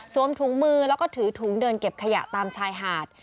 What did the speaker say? ถุงมือแล้วก็ถือถุงเดินเก็บขยะตามชายหาด